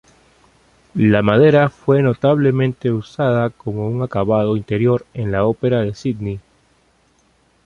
La madera fue notablemente usada como un acabado interior en la Ópera de Sídney.